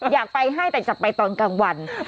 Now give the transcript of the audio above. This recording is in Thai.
อยากไปให้แต่จะไปตอนกลางวัน